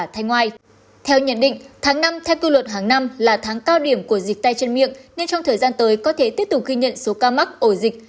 theo nhận định tháng năm theo cư luật hàng năm là tháng cao điểm của dịch tay chân miệng nên trong thời gian tới có thể tiếp tục ghi nhận số ca mắc ổ dịch